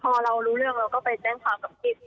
พอเรารู้เรื่องเราก็ไปแจ้งความกับพี่